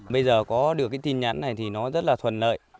bây giờ có được cái tin nhắn này thì nó rất là thuận lợi